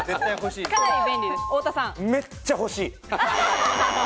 めっちゃ欲しい。